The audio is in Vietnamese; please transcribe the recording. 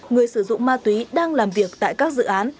người sử dụng ma túy đang làm việc tại các dự án